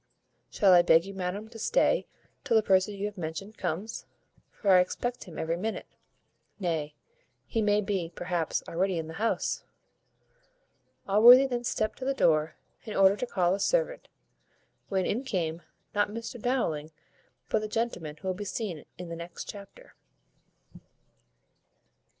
Shall I beg you, madam, to stay till the person you have mentioned comes, for I expect him every minute? nay, he may be, perhaps, already in the house." Allworthy then stept to the door, in order to call a servant, when in came, not Mr Dowling, but the gentleman who will be seen in the next chapter.